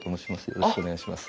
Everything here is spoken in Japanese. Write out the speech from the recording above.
よろしくお願いします。